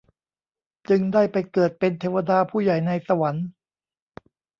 จึงได้ไปเกิดเป็นเทวดาผู้ใหญ่ในสวรรค์